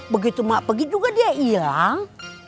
begitu mah pergi juga dia hilang